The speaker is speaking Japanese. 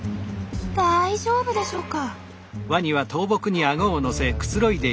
大丈夫でしょうか？